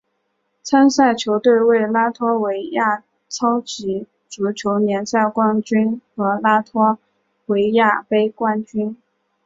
参赛球队为拉脱维亚超级足球联赛冠军和拉脱维亚杯冠军。